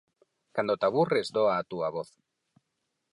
Cando te aburres doa a túa voz.